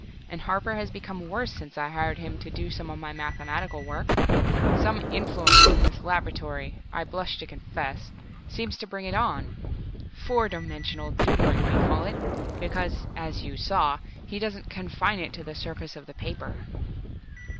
And Harper has become worse since I hired him to do some of my mathematical work. Some influence in this laboratory I blush to confess seems to bring it on. 'Four dimensional doodling' we call it, because, as you saw, he doesn't confine it to the surface of the paper!"